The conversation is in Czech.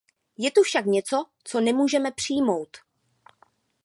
Je tu však něco, co nemůžeme přijmout.